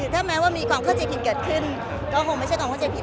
ถ้าแม้ว่ามีความเข้าใจผิดเกิดขึ้นก็คงไม่ใช่ความเข้าใจผิด